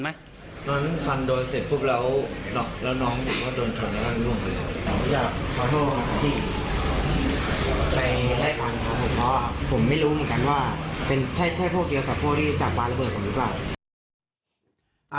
เป็นตะกลับกมันเอาค่ะ